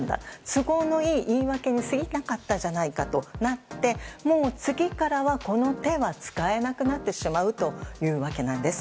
都合の言い訳に過ぎなかったんじゃないかとなってもう次からはこの手は使えなくなってしまうというわけなんです。